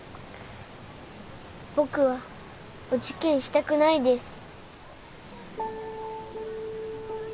僕はお受験したくないです。